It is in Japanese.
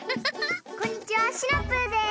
こんにちはシナプーです。